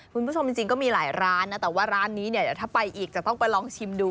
คุณผู้ชมจริงก็มีหลายร้านนะแต่ว่าร้านนี้เนี่ยเดี๋ยวถ้าไปอีกจะต้องไปลองชิมดู